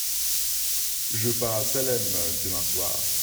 Je pars à Salem demain soir.